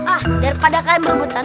ah daripada kalian berebutan